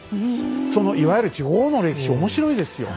そのいわゆる地方の歴史面白いですよ。